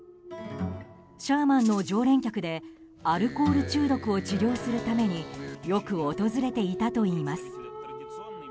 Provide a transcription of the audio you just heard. シャーマンの常連客でアルコール中毒を治療するためによく訪れていたといいます。